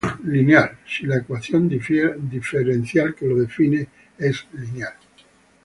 Lineal, si la ecuación diferencial que lo define es lineal.